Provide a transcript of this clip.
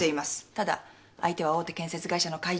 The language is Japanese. ただ相手は大手建設会社の会長。